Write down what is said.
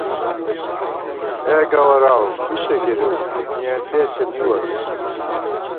اے گوَراؤ ہُشّے گِرِؤ مِیَن دېسے مِوَہ مے